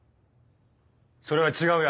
それは違うよ